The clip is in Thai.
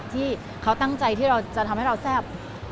ที่เขาตั้งใจที่เราจะทำให้เราแซ่บ